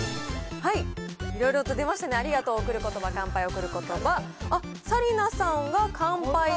いろいろと出ましたね、ありがとう、贈る言葉、乾杯、贈る言葉、あっ、紗理奈さんはカンパイと。